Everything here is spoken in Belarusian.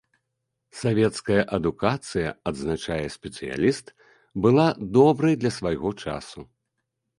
Савецкая адукацыя, адзначае спецыяліст, была добрай для свайго часу.